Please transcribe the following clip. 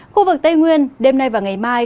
khu vực tây nguyên đêm nay và ngày mai